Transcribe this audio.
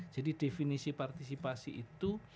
jadi definisi partisipasi itu